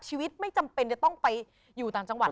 ชีวิตไม่จำเป็นจะต้องไปอยู่ต่างจังหวัด